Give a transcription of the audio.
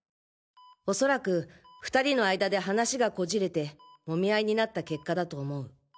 恐らく２人の間で話がこじれてもみあいになった結果だと思う。